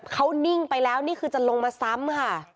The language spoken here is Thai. เขานิ่งไปแล้วนี่คือจะลงมาซ้ำค่ะ